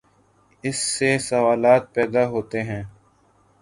اس سے سوالات پیدا ہوتے ہیں۔